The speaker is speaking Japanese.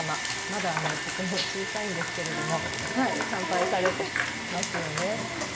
まだとても小さいんですが参拝されていますよね。